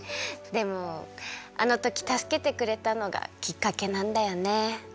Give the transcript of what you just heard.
でもあのときたすけてくれたのがきっかけなんだよね。